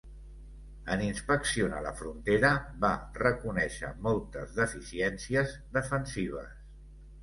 En inspeccionar la frontera, va reconèixer moltes deficiències defensives.